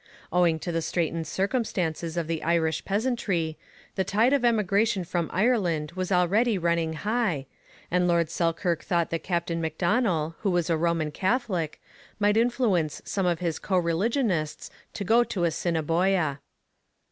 Owing to the straitened circumstances of the Irish peasantry, the tide of emigration from Ireland was already running high, and Lord Selkirk thought that Captain Macdonell, who was a Roman Catholic, might influence some of his co religionists to go to Assiniboia.